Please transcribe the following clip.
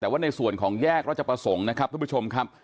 แต่ว่าในส่วนของแยกราชประสงค์นะครับทุกผู้ชมครับ